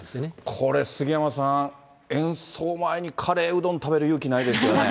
これ、杉山さん、演奏前にカレーうどん食べる勇気ないですよね。